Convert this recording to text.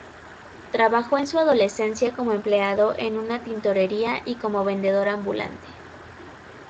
Trabajó en su adolescencia como empleado en una tintorería y como vendedor ambulante.